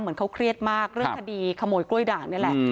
เหมือนเขาเครียดมากเรื่องคดีขโมยกล้วยด่างนี่แหละ